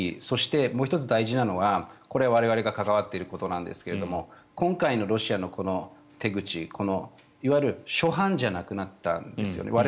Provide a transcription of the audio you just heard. そしてもう１つ大事なのはこれは我々が関わっていることですが今回のロシアの手口いわゆる、初犯じゃなくなったんですよね。